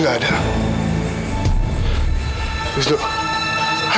sampai kita berdua